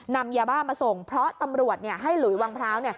นำยาบ้ามาส่งเพราะตำรวจให้หลุยวังพร้าว